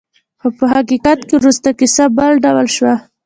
خو په حقیقت کې وروسته کیسه بل ډول شوه.